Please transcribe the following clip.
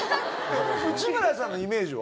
内村さんのイメージは？